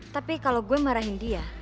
tapi kalau gue marahin dia